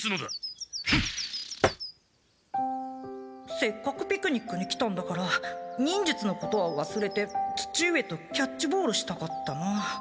せっかくピクニックに来たんだから忍術のことはわすれて父上とキャッチボールしたかったな。